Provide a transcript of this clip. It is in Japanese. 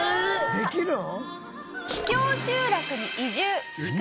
できるの？